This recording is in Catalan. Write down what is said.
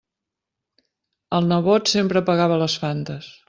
El nebot sempre pagava les Fantes.